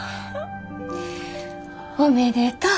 おめでとう。